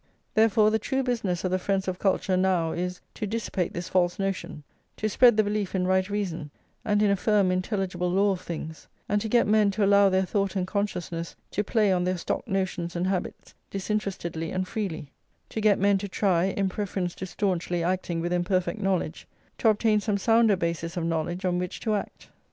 Therefore the true business of the friends of culture now is, to dissipate this false notion, to spread the belief in right reason and in a firm intelligible law of things, and to get men to allow their thought and consciousness to play on their stock notions and habits disinterestedly and freely; to get men to try, in preference to staunchly acting with imperfect knowledge, to obtain some sounder basis of knowledge on which to act.